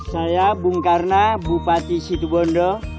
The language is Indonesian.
saya bung karna bupati situ bondo